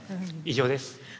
以上です。